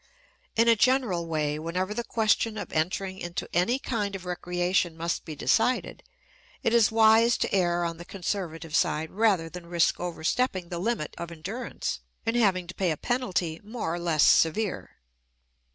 In a general way, whenever the question of entering into any kind of recreation must be decided, it is wise to err on the conservative side rather than risk overstepping the limit of endurance and having to pay a penalty more or less severe.